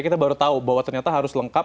kita baru tahu bahwa ternyata harus lengkap